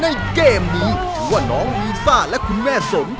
ในเกมนี้ถือว่าน้องวีซ่าและคุณแม่สม